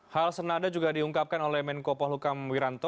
hal senada juga diungkapkan oleh menko polhukam wiranto